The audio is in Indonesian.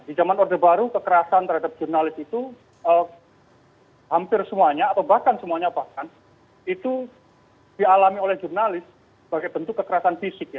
di zaman orde baru kekerasan terhadap jurnalis itu hampir semuanya atau bahkan semuanya bahkan itu dialami oleh jurnalis sebagai bentuk kekerasan fisik ya